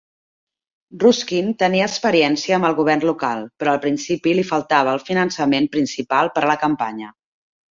Ruskin tenia experiència amb el govern local, però al principi li faltava el finançament principal per a la campanya.